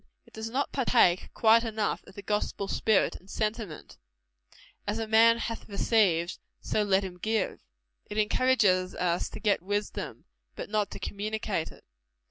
It does not partake quite enough of the gospel spirit and sentiment "As a man hath received, so let him give." It encourages us to get wisdom, but not to communicate it.